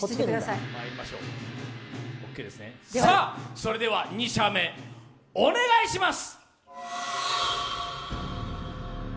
それでは２射目、お願いします。